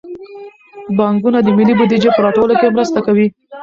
بانکونه د ملي بودیجې په راټولولو کې مرسته کوي.